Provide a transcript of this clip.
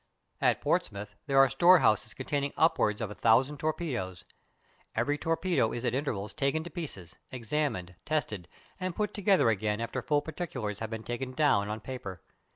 At Portsmouth are storehouses containing upwards of a thousand torpedoes. Every torpedo is at intervals taken to pieces, examined, tested, and put together again after full particulars have been taken down on paper.